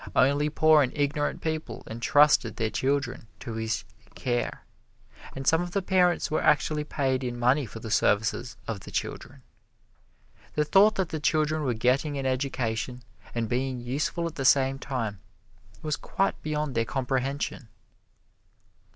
Only poor and ignorant people entrusted their children to his care, and some of the parents were actually paid in money for the services of the children. The thought that the children were getting an education and being useful at the same time was quite beyond their comprehension.